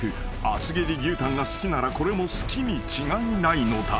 ［厚切り牛タンが好きならこれも好きに違いないのだ］